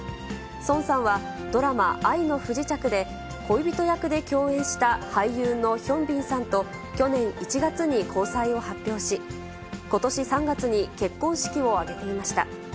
ソンさんは、ドラマ、愛の不時着で、恋人役で共演した俳優のヒョンビンさんと、去年１月に交際を発表し、ことし３月に結婚式を挙げていました。